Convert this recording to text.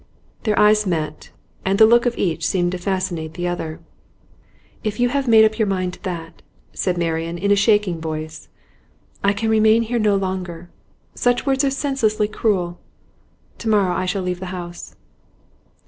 Their eyes met, and the look of each seemed to fascinate the other. 'If you have made up your mind to that,' said Marian in a shaking voice, 'I can remain here no longer. Such words are senselessly cruel. To morrow I shall leave the house.